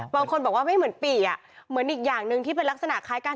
บางคนบอกว่าไม่เหมือนปี่อ่ะเหมือนอีกอย่างหนึ่งที่เป็นลักษณะคล้ายกัน